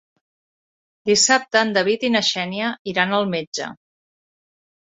Dissabte en David i na Xènia iran al metge.